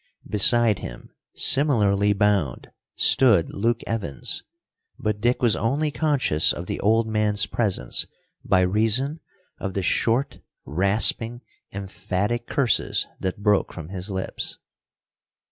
Beside him, similarly bound, stood Luke Evans, but Dick was only conscious of the old man's presence by reason of the short, rasping, emphatic curses that broke from his lips.